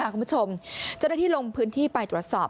คุณผู้ชมเจ้าหน้าที่ลงพื้นที่ไปตรวจสอบ